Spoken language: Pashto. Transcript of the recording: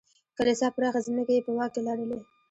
کلیسا پراخې ځمکې یې په واک کې لرلې.